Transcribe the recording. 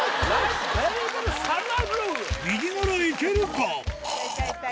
右ならいけるか？